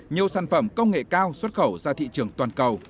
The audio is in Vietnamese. nhiều sản phẩm công nghệ cao xuất khẩu ra thị trường toàn cầu